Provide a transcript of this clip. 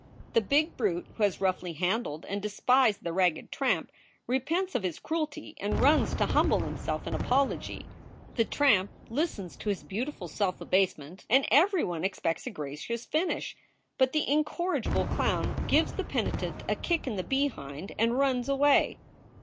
The big brute who has roughly handled and despised the ragged tramp repents of his cruelty and runs to humble himself in apology. The tramp listens to his beautiful self abasement and everyone expects a gracious finish, but the incorrigible clown gives the penitent a kick in the behind, and runs away.